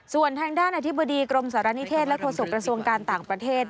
ส่วนทางด้านอธิบดีกรมสารณิเทศและโฆษกระทรวงการต่างประเทศ